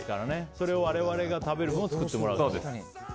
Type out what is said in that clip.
それを我々が食べるものを作っていただきます。